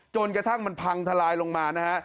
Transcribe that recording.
จนกระทั่งมันพังทลายลงมานะฮะ